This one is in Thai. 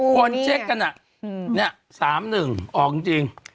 คนเช็คกันอ่ะ๓๑ออกจริง๗๓๑